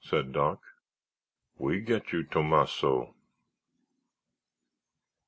said Doc. "We get you, Tomasso."